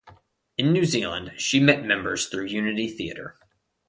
In New Zealand she met members through Unity Theatre.